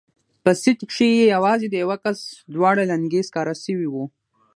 په سيټ کښې يې يوازې د يوه کس دواړه لينگي سکاره سوي وو.